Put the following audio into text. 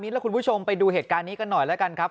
แล้วคุณผู้ชมไปดูเหตุการณ์นี้กันหน่อยแล้วกันครับ